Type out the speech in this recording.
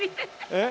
えっ？